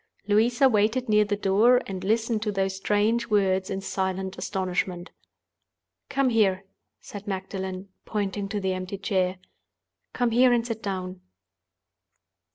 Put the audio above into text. Louisa waited near the door, and listened to those strange words in silent astonishment. "Come here," said Magdalen, pointing to the empty chair; "come here and sit down."